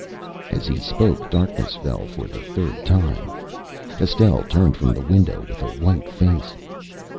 As he spoke darkness fell for the third time. Estelle turned from the window with a white face.